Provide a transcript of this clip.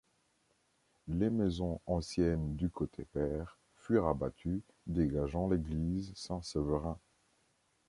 Les maisons anciennes du côté pair furent abattues dégageant l'église Saint-Séverin.